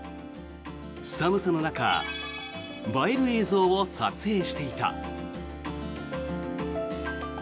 寒さの中映える映像を撮影していた。